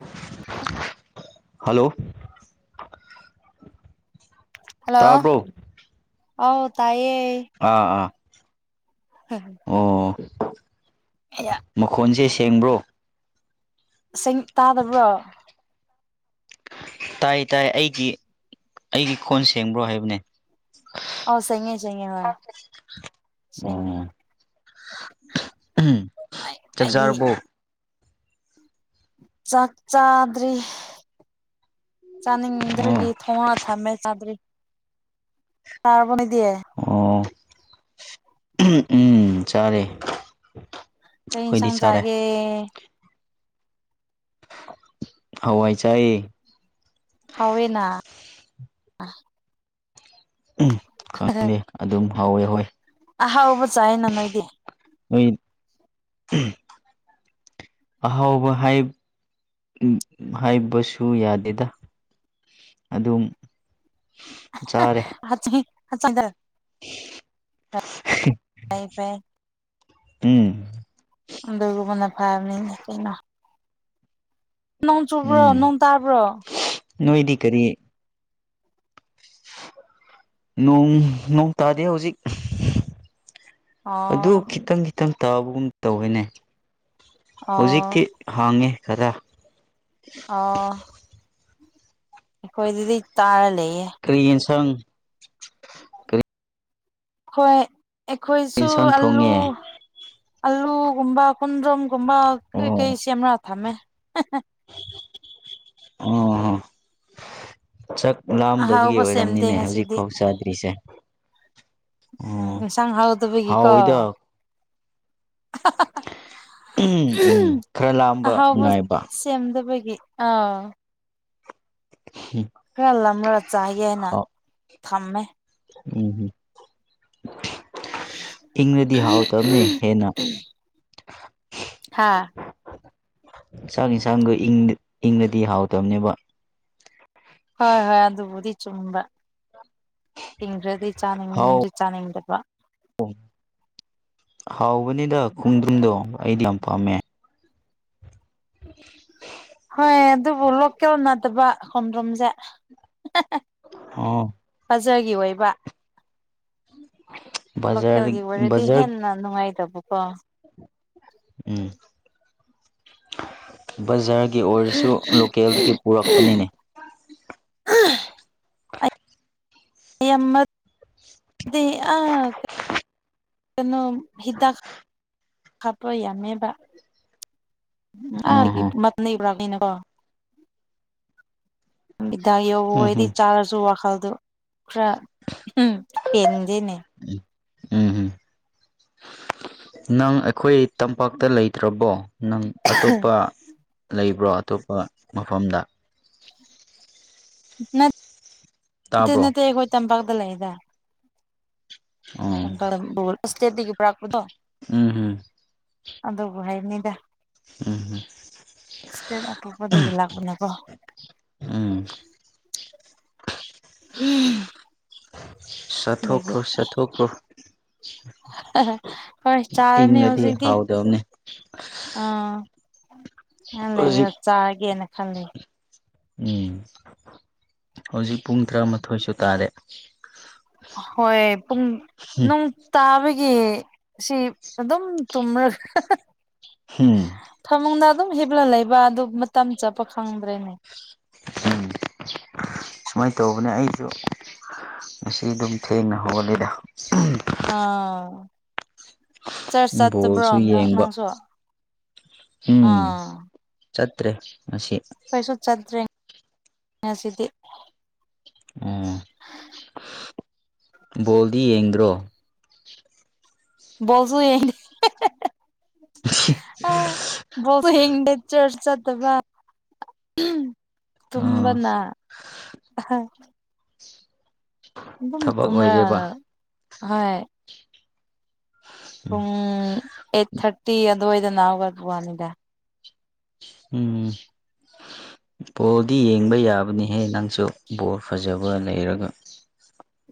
ꯍ ꯑꯐ hello hello ꯇꯥꯕ꯭ꯔꯣ ꯑ ꯇꯥꯏꯌꯦꯌꯦ ꯑꯥ ꯑꯥ ꯍꯝꯝ ꯑꯣ ꯃꯈꯣꯟꯁꯦ ꯁꯦꯡꯕ꯭ꯔꯣ ꯁꯤꯡ ꯇꯥꯗꯕ꯭ꯔꯣ ꯇꯥꯏ ꯇꯥꯏ ꯑꯩꯒꯤ ꯑꯩꯒꯤ ꯈꯣꯟ ꯁꯦꯡꯕ꯭ꯔꯣ ꯍꯥꯏꯕꯅꯦ ꯑꯣ ꯁꯩꯅ ꯁ ꯍꯣꯏ ꯁ ꯎꯝ ꯆꯁꯔꯔꯕꯣ ꯆꯥꯛ ꯆꯥꯗ꯭ꯔꯤ ꯆꯥꯅꯤꯡꯗꯕꯒꯤ ꯑꯣ ꯊꯣꯡꯉ ꯊꯃꯦ ꯇꯗ꯭ꯔꯔꯤ ꯇꯥꯔꯕꯨꯅꯤꯗꯌꯦ ꯑꯣ ꯎꯝ ꯆꯔꯦ ꯀꯩꯁꯥꯡ ꯒꯦ ꯍ ꯋꯥꯏ ꯆꯑ ꯍꯋꯦꯅꯥ ꯎꯝ ꯈꯪꯗꯦ ꯑꯗꯨꯝ ꯍꯧꯋꯦ ꯍꯣꯏ ꯑ ꯍꯥꯎꯕ ꯆꯥꯏ ꯅꯣꯏꯗꯤꯦ ꯑꯣꯏꯣꯏ ꯑꯍꯥꯎꯕ ꯍꯥꯏ ꯍꯥꯏꯕꯁꯨ ꯌꯥꯗꯦꯗ ꯑꯗꯨꯝ ꯆꯥꯔꯦ ꯆꯗ ꯐ ꯇꯨꯡ ꯑꯗꯨꯒꯨꯝꯕꯅ ꯐꯥꯕꯅꯤꯟꯅ ꯅꯣꯡ ꯆꯨꯕ꯭ꯔꯣ ꯎꯝ ꯅꯣꯡ ꯇꯥꯕ꯭ꯔꯣ ꯅꯣꯏꯗꯤ ꯀꯔꯤ ꯅꯣꯡ ꯅꯣꯡ ꯇꯥꯗꯦ ꯍꯧꯖꯤꯛ ꯑꯗꯨ ꯑꯣ ꯈꯤꯇꯪ ꯈꯤꯇꯪ ꯇꯥꯕꯒꯨꯝ ꯇꯧꯋꯅꯦ ꯑꯣ ꯍꯧꯖꯤꯛꯇꯤ ꯍꯥꯡꯉꯦ ꯈꯔ ꯑ ꯑꯩꯈꯣꯏ ꯑꯗꯨꯗꯤ ꯇꯥꯔ ꯂꯩꯌꯦ ꯀ꯭ꯔꯤꯟ ꯁꯪ ꯍꯈꯣꯏ ꯑꯩꯈꯣꯏꯁꯨ ꯌꯦꯟꯁꯥꯡ ꯑꯂꯨ ꯊꯣꯡꯉꯦ ꯑꯂꯨꯒꯨꯝꯕ ꯈꯨꯨꯟꯗ꯭ꯔꯣꯝꯒꯨꯝꯕ ꯀꯩꯀꯩ ꯑꯣ ꯆ ꯑꯃ ꯊꯝꯃꯦ [unintelligible] ꯂꯥꯝꯗꯕꯒꯤ ꯑꯍꯥꯎꯕ ꯁꯦꯝꯗꯦ ꯑꯣꯏꯔꯝꯅꯤꯅꯦ ꯍꯧꯖꯤꯛ ꯉꯁꯤꯗꯤ ꯐꯥꯎ ꯆꯥꯗ꯭ꯔꯤꯁꯦ ꯎꯝ ꯑꯣ ꯏꯟꯁꯥꯡ ꯍꯥꯎꯗꯕꯒꯤꯀꯣ ꯍꯥꯎꯋꯤꯗ ꯎꯝ ꯈꯔ ꯂꯥꯝꯕ ꯍꯥꯎꯕ ꯉꯥꯏꯕ ꯇ‌ꯦꯝꯗꯕꯒꯤ ꯑꯥ ꯍꯝ ꯈꯔ ꯂꯥꯝꯃꯔꯥ ꯆꯥꯒꯦ ꯅ ꯊꯝꯃꯦ ꯎꯝ ꯏꯪꯉꯗꯤ ꯍꯥꯎꯇꯕꯅꯦ ꯍꯦꯟꯅ ꯍꯥꯥ ꯆꯥꯛ ꯌꯦꯟꯁꯥꯡꯗꯣ ꯏꯪ ꯏꯪꯑꯗꯤ ꯍꯥꯎꯇꯝ ꯅꯦꯕ ꯍꯣꯏ ꯍꯣꯏ ꯑꯗꯨꯕꯨꯗꯤ ꯆꯨꯝꯕ ꯏꯪꯈ꯭ꯔꯗꯤ ꯆꯥꯅꯤꯡ ꯗꯤ ꯆꯥꯅꯤꯡ ꯗꯕ ꯑ‌ꯣ ꯍꯥꯎꯕꯅꯤꯗ ꯈꯣꯡꯗ꯭ꯔꯨꯝꯗꯣ ꯑꯩꯗꯤ ꯌꯥꯝ ꯄꯥꯝꯃꯦ [inaudible] ꯍꯣꯏ ꯑꯗꯨꯕꯨ ꯂꯣꯀꯦꯜ ꯅꯠꯇꯕ ꯈꯣꯝꯗ꯭ꯔꯨꯝꯖ‌‌ꯦ ꯑꯣ ꯐꯖꯒꯤ ꯑꯣꯏꯕ ꯕꯖꯥꯔ ꯂꯣꯀꯦꯜꯒꯤ ꯑꯣꯏꯔꯗꯤ ꯕꯖꯥꯔ ꯍꯦꯟꯅ ꯅꯨꯡꯉꯥꯏꯗꯕꯀꯣ ꯎꯝ ꯕꯖꯥꯔꯒꯤ ꯑꯣꯏꯔꯁꯨ ꯂꯣꯀꯦꯜꯗꯒꯤ ꯄꯨꯔꯛꯄꯅꯤꯅꯦ [unintelligible] ꯀꯩꯅꯣ ꯍꯤꯗꯥꯥꯛ ꯀꯥꯞꯄ ꯌꯥꯃꯦꯕ ꯑ ꯍ [unintelligible] ꯍꯤꯗꯥꯛ ꯌꯧꯕ ꯎꯝ ꯎꯝ ꯍ‌ꯣꯏꯗꯤ ꯆꯥꯔꯁꯨ ꯋꯥꯈꯜꯗꯨ ꯈꯔ ꯄꯦꯟꯗꯦꯅꯦ ꯎꯝ ꯅꯪ ꯑꯩꯈꯣꯏ ꯇꯝꯄꯥꯛꯇ ꯂꯩꯇ꯭ꯔꯕꯣ ꯅꯪ ꯑꯇꯣꯞꯄ ꯂꯩ ꯕꯔ‌ꯣ ꯑꯇꯣꯞꯄ ꯃꯐꯝꯗ ꯅꯠꯇꯦ ꯇꯥꯕ꯭ꯔꯣ ꯅꯠꯇꯦ ꯑꯩꯈꯣꯏ ꯇꯝꯄꯥꯛꯇ ꯂꯩꯗ [inaudible] [unintelligible] ꯏꯁꯇꯦꯠꯇꯒꯤ ꯄꯨꯔꯛꯄꯗꯣ ꯎꯝ ꯑꯗꯨꯕꯨ ꯍꯥꯏꯕꯅꯤꯗ ꯎꯝ ꯏꯁ꯭ꯇꯦꯠ ꯑꯇꫭꯞꯄꯗꯒꯤ ꯂꯥꯛꯄꯅꯦ ꯀꯣ ꯎꯝ [unintelligible] ꯑꯗꯨꯒꯤ ꯆꯥꯊꯣꯛꯈ꯭ꯔꯣ ꯆꯥꯊꯣꯛꯈ꯭ꯔꯣ ꯍꯣꯏ ꯆꯥꯔꯅꯤ ꯏꯪꯉꯗꯤ ꯍꯧꯖꯤꯛꯇꯤ ꯍꯥꯎꯗꯕꯅꯦ ꯑꯥ ꯉꯥꯏ ꯍꯥꯛ ꯂꯩꯔ ꯍꯧꯖꯤꯛ ꯆꯥꯔꯒꯦꯅ ꯈꯜꯂꯤ ꯎꯝ ꯍꯧꯖꯤꯛ ꯄꯨꯡ ꯇꯔꯥꯃꯥꯊꯣꯏꯁꯨ ꯇꯥꯔꯦ ꯍꯣꯏ ꯄꯨꯡ ꯅ‌ꯣꯡ ꯇꯥꯕꯒꯤ ꯁꯤ ꯑꯗꯨꯝ ꯇꯨꯝꯔꯒ ꯍꯨꯝ ꯐꯃꯨꯡꯗ ꯑꯗꯨꯝ ꯍꯤꯞꯂ ꯂꯩꯕ ꯑꯗꯨ ꯃꯇꯝ ꯆꯠꯄ ꯈꯪꯗ꯭ꯔꯦꯅꯦ ꯎꯝ ꯁꯨꯃꯥꯏꯅ ꯇꯧꯕꯅꯦ ꯑꯩꯁꯨ ꯉꯁꯤ ꯑꯗꯨꯝ ꯊꯦꯡꯅ ꯍꯧꯒꯠꯂꯤꯗ ꯑꯥ ꯆꯔꯥꯁ ꯆꯠꯇꯕ꯭ꯔꯣ ꯕꯣꯜꯁꯨ ꯅ ꯌꯦꯡꯕ ꯅꯪꯁꯨ ꯎꯝ ꯑꯥ ꯆꯠꯇ꯭ꯔꯦ ꯉꯁꯤ ꯀꯩꯁꯨ ꯆꯠꯇ꯭ꯔꯦ ꯉꯁꯤꯗꯤ ꯎꯝ ꯕꯣꯜꯗꯤ ꯌꯦꯡꯗ꯭ꯔꯣ ꯕ‌ꯧꯜꯁꯨꯨ ꯌꯦꯡꯅꯤ ꯑ‌ꯦ ꯕ‌ꯣꯜ ꯌ‌ꯦꯡ ꯗ‌ꯦ ꯆꯔꯥꯁ ꯆꯠꯇꯕ ꯑ ꯇꯨꯝꯕꯅ ꯑꯍꯥ ꯑꯗꯨꯝ ꯊꯕꯛ ꯑꯣꯏꯔꯦꯕ ꯇꯨꯝꯔꯥꯒ ꯍꯣꯢ ꯄꯨꯡ ꯑꯩꯠ ꯊꯥꯔꯇꯤ ꯑꯗꯨꯋꯥꯏꯗꯅ ꯍꯧꯒꯠꯄꯅꯤꯗ ꯎꯝ ꯕꯣꯜꯗꯤ ꯌꯦꯡꯕ ꯌꯥꯕꯅꯤꯍꯦ ꯅꯪꯁꯨ ꯕꯣꯜ ꯐꯖꯕ ꯂꯩꯔꯒ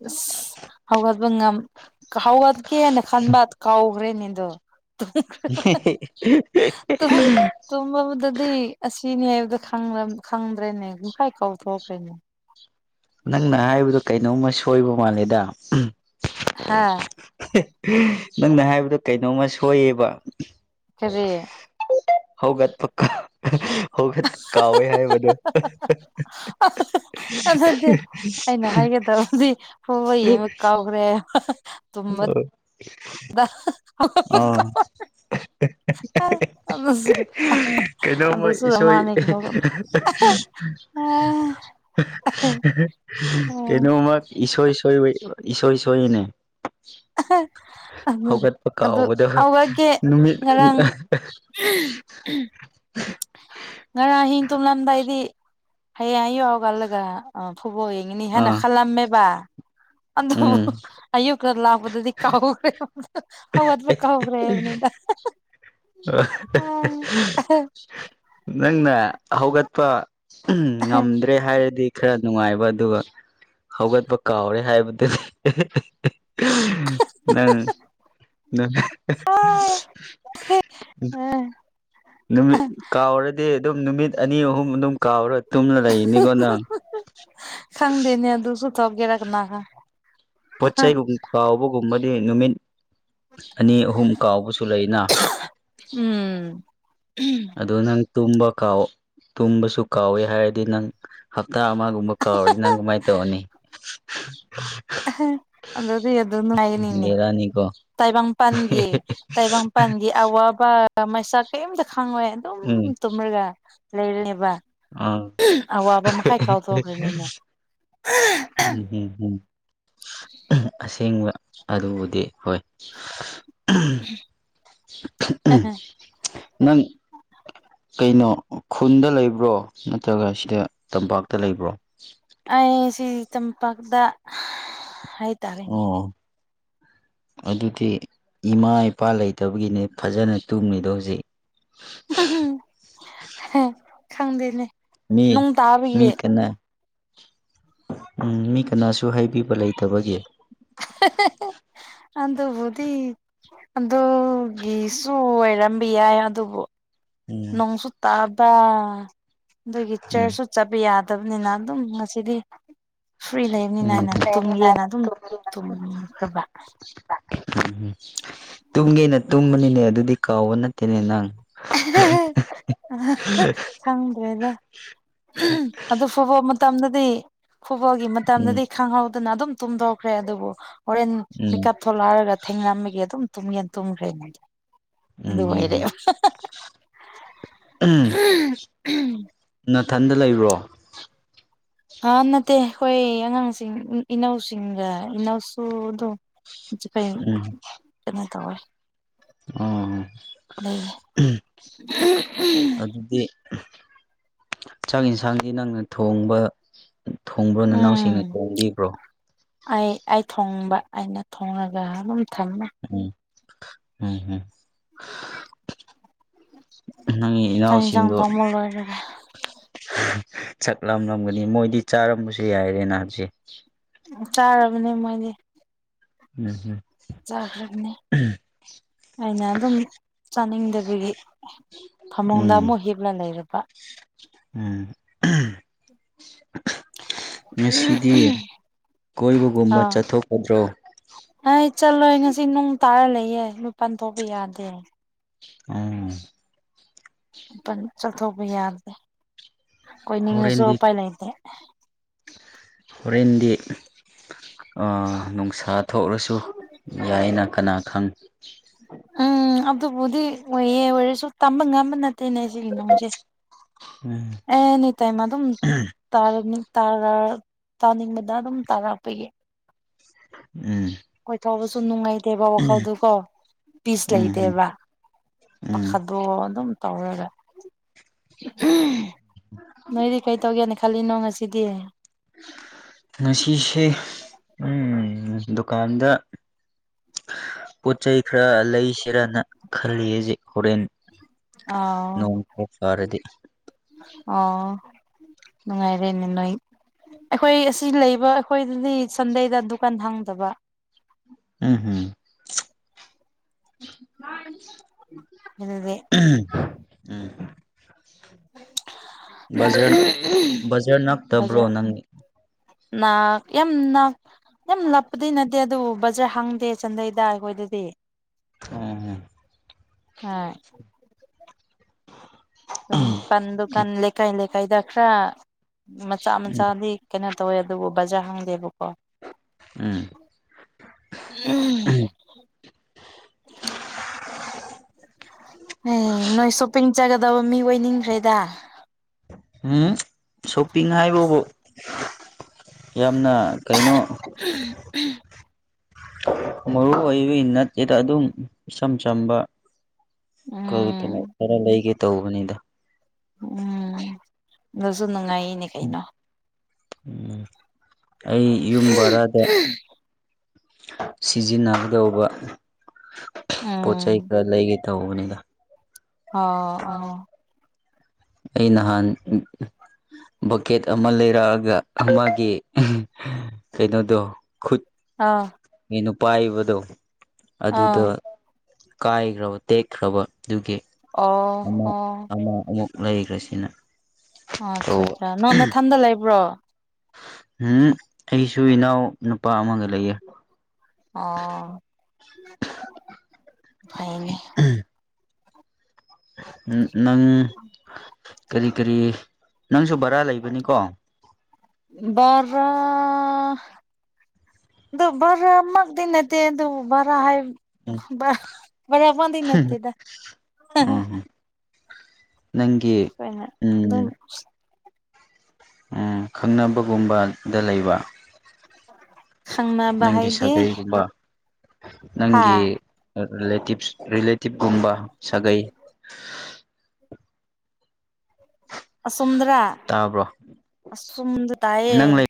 ꯑꯁ ꯍꯧꯒꯠꯄ ꯉꯝ ꯍꯧꯀꯦꯅ ꯈꯟꯕ ꯀꯥꯎꯈ꯭ꯔꯦꯅꯦꯗꯣ [inaudible] ꯇꯨꯝꯕꯗꯗꯤ ꯑꯁꯤꯅꯦ ꯍꯥꯏꯕꯗꯨ ꯈꯪꯗ꯭ꯔꯦꯅꯦ ꯌꯨꯝꯈꯥꯏ ꯀꯥꯎꯊꯣꯛꯈ꯭ꯔꯦꯅꯦ꯫ ꯅꯪꯅ ꯍꯥꯏꯕꯗꯣ ꯀꯩꯅꯣꯝꯃ ꯁꯣꯏꯕ ꯃꯥꯜꯂꯦꯗ ꯍꯥ ꯅꯪꯅ ꯍꯥꯏꯕꯗꯣ ꯀꯩꯅꯣꯝꯃ ꯁꯣꯏꯌꯦꯕ꯫ ꯀꯔꯤ ꯍꯧꯒꯠꯄ ꯍꯧꯒꯠꯄ ꯀꯥꯎꯋꯦ ꯍꯥꯏꯕꯗꯣ꯫ [unintelligible] ꯑꯗꯨ ꯑꯩꯅ ꯍꯥꯏꯒꯦꯇꯧꯕꯗꯤ ꯐꯨꯠꯕꯣꯜ ꯌꯦꯡꯕ ꯀꯥꯎꯈ꯭ꯔꯦ ꯍꯥꯏꯕ [inaudible] ꯑꯥ ꯑꯗꯨꯁꯨ ꯀꯩꯅꯣꯝꯃ ꯑꯗꯨꯁꯨ ꯏꯁꯣꯏ ꯃꯥꯅꯤꯒꯤ ꯍꯧꯔꯛ ꯎꯝ ꯀꯩꯅꯣꯝ ꯑꯃ ꯏꯁꯣꯏ ꯏꯁꯣꯏ ꯏꯁꯣꯏꯌꯦꯅꯦ ꯑꯗꯨ ꯍꯧꯒꯠꯄ ꯑꯗꯨ ꯀꯥꯎꯕꯗꯣ ꯍꯧꯒꯠꯀꯦ ꯅꯨꯃꯤꯠ ꯉꯔꯥꯡ ꯎꯝ ꯎꯝ ꯉꯔꯥꯡ ꯑꯍꯤꯡ ꯇꯨꯝꯂꯝꯗꯥꯏꯗꯤ ꯍꯌꯦꯡ ꯑꯌꯨꯛ ꯍꯧꯒꯠꯂꯒ ꯑꯥ ꯐꯨꯕꯣꯜ ꯅꯤꯅꯤ ꯍꯥꯏꯅ ꯑꯥ ꯈꯜꯂꯝꯃꯦꯕ ꯑꯗꯣꯕꯨ ꯎꯝ ꯑꯌꯨꯛꯀ ꯂꯥꯛꯄꯗꯗꯤ ꯀꯥꯎꯈ꯭ꯔꯦ ꯍꯧꯒꯠꯄ ꯀꯥꯎꯈ꯭ꯔꯦ ꯍꯥꯏꯕꯅꯤꯗ꯫ ꯑꯥ ꯅꯪꯅ ꯍꯧꯒꯠꯄ ꯉꯝꯗ꯭ꯔꯦ ꯍꯥꯏꯔꯗꯤ ꯈ꯭ꯔ ꯅꯨꯡꯉꯥꯏꯕ ꯑꯗꯨꯒ ꯍꯧꯒꯠꯄ ꯀꯥꯎꯔꯦ ꯍꯥꯏꯕꯗꯨꯗꯤ ꯅꯪ ꯅꯪ [unintelligible] ꯍꯦ ꯑꯥ ꯅꯨꯃꯤꯠ ꯀꯥꯎꯔꯗꯤ ꯑꯗꯨꯝ ꯅꯨꯃꯤꯠ ꯑꯅꯤ ꯑꯍꯨꯝ ꯑꯗꯨꯝ ꯀꯥꯎꯔ ꯇꯨꯝꯃ ꯂꯩꯔꯤꯅꯦ ꯀꯣ ꯅꯪ ꯅꯦ ꯑꯗꯨꯁꯨ ꯇꯧꯒꯔꯥ ꯀꯥꯅꯒ ꯄꯣꯠ ꯆꯩꯒꯨꯝ ꯀꯥꯎꯕꯒꯨꯝꯕꯗꯤ ꯅꯨꯃꯤꯠ ꯑꯅꯤ ꯑꯍꯨꯝ ꯀꯥꯎꯕꯁꯨ ꯂꯩꯅ ꯎꯝ ꯑꯗꯨ ꯅꯪ ꯇꯨꯝꯕ ꯀꯥꯎ ꯇꯨꯝꯕꯁꯨ ꯀꯥꯎꯌꯦ ꯍꯥꯏꯔꯗꯤ ꯅꯪ ꯍꯞꯇ ꯑꯃꯒꯨꯝꯕ ꯀꯥꯎꯔꯗꯤ ꯅꯪ ꯀꯃꯥꯏꯅ ꯇꯧꯅꯤ ꯑꯍꯥ ꯑꯗꯨꯗꯤ ꯑꯗꯨꯝ ꯅꯨꯉꯥꯏꯒꯅꯤꯅꯦ ꯕꯦꯔꯥꯅꯤꯀꯣ ꯇꯥꯏꯕꯪꯄꯥꯟꯒꯤ ꯇꯥꯏꯕꯪꯄꯥꯟꯒꯤ ꯑꯋꯥꯕ ꯃꯩꯁꯥꯛ ꯀꯩꯝꯇ ꯈꯪꯉꯣꯏ ꯑꯗꯨꯝ ꯎꯝ ꯇꯨꯝꯔꯒ ꯂꯩꯔꯅꯤꯕ ꯑꯥ ꯑꯋꯥꯕ ꯃꯈꯩ ꯀꯥꯎꯊꯣꯛꯈ꯭ꯔꯅꯤꯅꯦ ꯎꯝ ꯎꯝ ꯎꯝ ꯑꯁꯦꯡꯕ ꯑꯗꯨꯕꯨꯗꯤ ꯍꯣꯏ ꯎ ꯅꯪ ꯀꯩꯅꯣ ꯈꯨꯟꯗ ꯂꯩꯕ꯭ꯔꯣ ꯅꯠꯇ꯭ꯔꯒ ꯁꯤꯗ ꯇꯝꯄꯥꯛꯇ ꯂꯩꯕ꯭ꯔꯣ ꯑꯩ ꯁꯤ ꯇꯝꯄꯥꯛꯇ ꯍꯥꯏ ꯑꯣ ꯑꯗꯨꯗꯤ ꯏꯃꯥ ꯏꯄꯥ ꯂꯩꯇꯕꯒꯤꯅꯦ ꯐꯖꯅ ꯇꯨꯝꯃꯤꯗꯣ ꯍꯧꯖꯤꯛ ꯈꯪꯗꯦꯅꯦ ꯅꯣꯡ ꯃꯤꯃꯤ ꯇꯥꯕꯒꯤ ꯀꯥꯅ ꯎꯝ ꯃꯤ ꯀꯅꯥꯁꯨ ꯍꯥꯏꯕꯤꯕ ꯂꯩꯇꯕꯒꯤ [unintelligible] ꯑꯗꯨꯕꯨꯗꯤ ꯑꯗꯨꯒꯤꯁꯨ ꯑꯣꯏꯔꯝꯕ ꯌꯥꯏ ꯑꯗꯨꯕꯨ ꯎꯝ ꯨꯡꯁꯨ ꯇꯥꯕꯥ ꯎꯝ ꯒꯤꯆꯔꯁꯨ ꯆꯠꯄ ꯌꯥꯗꯕꯅꯤꯅ ꯑꯗꯨꯝ ꯉꯁꯤꯗꯤ ꯐ꯭ꯔꯤ ꯂꯩꯕꯅꯤꯅ ꯎꯝ ꯑꯅ ꯇꯨꯝꯒꯦꯅ ꯑꯗꯨꯝ ꯇꯨꯝꯈ꯭ꯔꯕ ꯎꯝ ꯇꯨꯝꯒꯦꯅ ꯇꯨꯝꯕꯅꯤꯅꯦ ꯑꯗꯨꯗꯤ ꯀꯥꯎꯕ ꯅꯠꯇꯦꯅꯦ ꯅꯪ ꯑ ꯈꯪꯗ꯭ꯔꯦꯗ ꯑꯗꯨ ꯐꯨꯕ ꯃꯇꯝꯗꯗꯤ ꯈꯨꯨꯠꯕꯣꯜꯒꯤ ꯎꯝ ꯃꯇꯝꯗꯗꯤ ꯈꯪꯍꯧꯗꯅ ꯑꯗꯨꯝ ꯇꯨꯝꯊꯣꯛꯈ꯭ꯔꯦ ꯑꯗꯨꯕꯨ ꯍꯣꯔꯦꯟ ꯎꯝ ꯃꯤꯀꯞ ꯊꯣꯂꯛꯑꯔꯒ ꯊꯦꯡꯅꯝꯃꯒꯤ ꯑꯗꯨꯝ ꯇꯨꯝꯒꯅ ꯇꯨꯝꯈ꯭ꯔꯦꯅꯦꯗꯤ ꯑꯗꯨ ꯑꯣꯏꯔꯦꯕ ꯎ ꯅꯊꯟꯗ ꯂꯩꯕ꯭ꯔꯣ ꯑ ꯅꯠꯇꯦ ꯑꯩꯈꯣꯏ ꯑꯉꯥꯡꯁꯤꯡ ꯏꯅꯧꯁꯤꯡꯒ ꯏꯅꯧꯁꯨ ꯑꯗꯨꯝ ꯐꯩ ꯎꯝ ꯀꯩꯅꯣ ꯇꯧꯋꯦ ꯑꯣ ꯂꯩꯌꯦ ꯑꯗꯨꯗꯤ ꯆꯥꯛ ꯌꯦꯟꯁꯥꯡꯗꯤ ꯅꯪꯅ ꯊꯣꯡꯕ ꯊꯣꯡꯕ꯭ꯔꯣ ꯅꯅꯥꯎꯁꯤꯡꯅ ꯎꯝ ꯊꯣꯡꯕꯤꯕ꯭ꯔꯣ ꯑꯩ ꯑꯩ ꯊꯣꯡꯕ ꯑꯩꯅ ꯊꯣꯡꯉꯒ ꯑꯗꯨꯝ ꯊꯝꯃꯦ ꯎꯝ ꯎꯝꯝ ꯅꯪꯒꯤ ꯆꯥꯛ ꯌꯦꯟꯁꯥꯡ ꯏꯅꯥꯎꯁꯤꯡꯗꯣ ꯊꯣꯡꯕ ꯂꯣꯏꯔꯒ ꯁꯛꯂꯝꯂꯝꯒꯅꯤ ꯃꯣꯏꯗꯤ ꯆꯥꯔꯝꯕꯁꯨ ꯌꯥꯏꯔꯦ ꯅ ꯍꯥꯏꯕꯁꯦ ꯎ ꯆꯥꯔꯕꯅꯦ ꯃꯣꯏꯗꯤ ꯎꯝ ꯍꯝ ꯒ꯭ꯔꯦꯕꯅꯤ ꯑꯩꯅ ꯑꯗꯨꯝ ꯆꯥꯅꯤꯡꯗꯕꯒꯤ ꯎꯝ ꯐꯃꯨꯡꯗ ꯎꯝ ꯑꯃꯨꯛ ꯍꯤꯞꯂ ꯂꯩꯔꯕ ꯎꯝ ꯉꯁꯤꯗꯤ ꯀꯣꯏꯕꯒꯨꯝꯕ ꯑꯥ ꯆꯠꯊꯣꯛꯀꯗ꯭ꯔꯣ ꯑꯩ ꯆꯠꯂꯣꯏ ꯉꯁꯤ ꯅꯅꯨꯡ ꯇꯥꯔ ꯂꯩꯌꯦꯦ ꯂꯨ ꯄꯥꯟ ꯊꯣꯛꯄ ꯌꯥꯗꯦ ꯎꯝ ꯆꯥꯛꯊꯣꯛꯄ ꯌꯥꯗꯦ ꯑꯩꯈꯣꯏ ꯅꯤꯡꯉꯁꯨ ꯍꯣꯔꯦꯟꯗꯤ ꯎꯄꯥꯏ ꯂꯩꯇꯦ ꯍꯣꯔꯦꯟꯗꯤ ꯅꯨꯡꯁꯥ ꯊꯣꯛꯂꯁꯨ ꯌꯥꯏꯅ ꯀꯅꯥ ꯈꯪ ꯎꯝ ꯑꯗꯕꯨꯗꯤꯁꯨ ꯇꯝꯕ ꯉꯝꯕ ꯇꯅꯦꯁꯤꯒꯤ ꯅꯁꯦ ꯎꯝ ꯑꯦ ꯑꯦꯅꯤ ꯇꯥꯏꯝ ꯑꯗꯨꯝ ꯇꯥꯅꯤꯡꯕꯗ ꯑꯗꯨꯝ ꯇꯥꯔꯛꯄꯒꯤ ꯎꯝ ꯀꯣꯏꯊꯧꯕꯁꯨ ꯅꯨꯡꯉꯥꯏꯇꯦꯕ ꯋꯥꯈꯜꯗꯨꯀꯣ ꯄꯤꯁ ꯎꯝ ꯎꯝ ꯂꯩꯇꯦꯕ ꯎꯝ ꯄꯈꯗꯣꯛ ꯑꯗꯨꯝ ꯇꯧꯔꯒ ꯅꯣꯏꯗꯤ ꯀꯩ ꯇꯧꯒꯦꯅ ꯈꯜꯂꯤꯅꯣ ꯉꯁꯤꯗꯤ ꯉꯁꯤꯁꯦ ꯎꯝ ꯗꯨꯀꯥꯟꯗ ꯄꯣꯠ ꯆꯩꯩ ꯈꯔ ꯂꯩꯁꯤꯔꯅ ꯈꯜꯂꯤꯖꯤꯛ ꯍꯣꯔꯦꯟ ꯑꯥ ꯅꯣꯡ ꯈꯔ ꯐꯔꯗꯤ ꯑ ꯅꯨꯡꯉꯥꯏꯔ ꯅꯣꯣꯏ ꯑꯩꯈꯣꯏ ꯑꯁꯤ ꯂꯩꯕ ꯑꯩꯈꯣꯏꯗꯗꯤ ꯁꯟꯗꯦꯗ ꯗꯨꯀꯥꯟ ꯍꯥꯡꯗꯕ ꯎꯝ ꯍꯝ ꯑꯗꯨꯗꯤ ꯎ ꯎꯝ ꯕꯖꯔ ꯕꯖꯔ ꯅꯛꯇꯕ꯭ꯔꯣ ꯅꯪꯒꯤ ꯦꯝ ꯅꯦꯝ ꯂꯄꯗꯤ ꯅ ꯑꯗꯨꯕꯨ ꯕꯖꯔ ꯍꯪꯗꯦ ꯆꯟꯗꯩꯗ ꯑꯩꯈꯣꯏꯗꯗꯤ ꯑꯣ ꯑ ꯎꯝ ꯎ ꯄꯟꯗꯨꯀꯥꯟ ꯂꯩꯀꯥꯏ ꯂꯩꯀꯥꯏꯗ ꯈꯔ ꯃꯆꯥ ꯎꯝ ꯃꯆꯥꯗꯤ ꯀꯩꯅꯣ ꯇꯧꯋꯦ ꯑꯗꯨꯕꯨ ꯕꯖꯥꯔ ꯍꯪꯗꯦꯕꯀꯣ ꯎꯝ ꯎꯝ ꯑꯣ ꯑꯦ ꯅꯣꯏ ꯁꯣꯞꯄꯤꯡ ꯆꯥꯒꯗꯕ ꯃꯤ ꯑꯣꯏꯅꯤꯡꯈ꯭ꯔꯦꯗ ꯎꯝ ꯁꯣꯞꯄꯤꯡ ꯍꯥꯏꯕꯕꯣ ꯌꯥꯝꯅ ꯀꯩꯅꯣ ꯎꯝ ꯎꯝ ꯃꯔꯨꯑꯣꯏꯕꯩ ꯅꯠꯇꯦꯗ ꯑꯗꯨꯝ ꯏꯆꯝ ꯆꯝꯕ ꯀꯩꯅꯣ ꯎꯝ ꯈꯔ ꯂꯩꯒꯦ ꯇꯧꯕꯅꯤꯗ ꯎꯝ ꯑꯗꯨꯁꯨ ꯅꯨꯡꯉꯥꯏꯅꯦ ꯀꯩꯅꯣ ꯎꯝ ꯑꯩ ꯌꯨꯝ ꯕꯔꯥꯗ ꯁꯤꯖꯤꯟꯅꯒꯗꯧꯕ ꯄꯣꯠ ꯎꯝ ꯆꯩꯩ ꯈꯔ ꯂꯩꯒꯦ ꯇꯧꯕꯅꯤꯗ ꯑꯣ ꯑꯣ ꯑꯩ ꯅꯍꯥꯟ ꯕꯛꯀꯦꯠ ꯑꯃ ꯂꯩꯔꯛꯑꯒ ꯃꯥꯒꯤ ꯀꯩꯅꯣꯗꯣ ꯈꯨꯠ ꯑꯥ ꯅꯨꯄꯥ ꯄꯥꯏꯕꯗꯣ ꯑꯗꯨꯗ ꯑꯥ ꯀꯥꯏꯈ꯭ꯔꯕ ꯇꯦꯛꯈ꯭ꯔꯕ ꯑꯗꯨꯒꯤ ꯑꯣ ꯑꯃ ꯑꯣ ꯑꯃ ꯑꯃꯨꯛ ꯂꯩꯈ꯭ꯔꯦ ꯁꯤꯅ ꯑꯣ ꯑꯠꯆꯥ ꯑꯆꯥ ꯅꯡ ꯃꯊꯟꯗ ꯂꯩꯕ꯭ꯔꯣ ꯎꯝ ꯑꯩꯁꯨ ꯏꯅꯥꯎ ꯅꯨꯄꯥ ꯑꯃꯒ ꯂꯩꯌꯦ ꯑꯣ ꯍꯣꯏ ꯑ ꯐꯥꯏꯅꯦ ꯅꯪ ꯀꯔꯤ ꯀꯔꯤ ꯅꯪꯁꯨ ꯕꯔꯥ ꯂꯩꯕꯅꯤꯀꯣ ꯍꯣꯏ ꯑꯗꯨ ꯚꯔꯥꯃꯛꯇꯤ ꯅꯠꯇꯦ ꯑꯗꯨꯕꯨ ꯚꯔꯥ ꯍꯥꯏ ꯎꯝ ꯕꯥꯔ꯭ꯥ ꯕꯨꯗꯤ ꯅꯠꯇꯗꯦ ꯎꯝ ꯅꯪꯒꯤ ꯑꯩꯈꯣꯏꯅ ꯑꯗꯨꯝ ꯎꯝ ꯈꯪꯅꯕꯒꯨꯝꯕꯗ ꯂꯩꯕ ꯈꯪꯅꯕ ꯅꯪꯒꯤ ꯍꯥꯏꯗꯤ ꯁꯥꯒꯩꯕ ꯍꯥ ꯅꯪꯒꯤ ꯔꯤꯂꯦꯇꯤꯞꯁ ꯔꯤꯂꯦꯇꯤꯞꯀꯨꯝꯕ ꯁꯥꯒꯩ ꯑꯁꯨꯗ꯭ꯔꯥ ꯇꯥꯕ꯭ꯔꯣ ꯑꯁꯨꯗ ꯅꯪ ꯇꯌꯦ